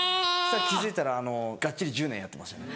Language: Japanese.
気付いたらがっちり１０年やってましたね。